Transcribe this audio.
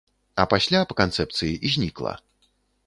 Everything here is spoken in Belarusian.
А пасля, па канцэпцыі, знікла.